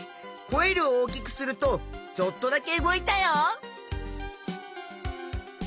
コイルを大きくするとちょっとだけ動いたよ。